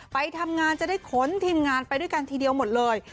ไปทำงานจะได้ขนทีมงานไปด้วยกันทีเดียวหมดเลย